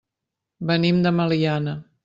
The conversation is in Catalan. Venim de Meliana.